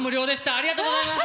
ありがとうございます！